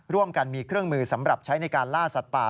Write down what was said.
ร่วมกันมีเครื่องมือสำหรับใช้ในการล่าสัตว์ป่า